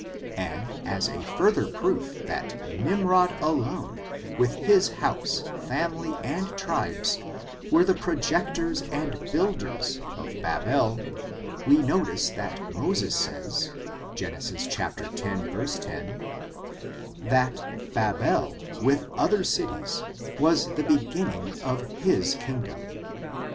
And, as a further proof that Nimrod alone^ with his house, family, and tribes, were the projectors and builders of Babel, we notice that Moses says, Gen.Z| 10, that Babel^ with other cities, was the beginning of his kingdom.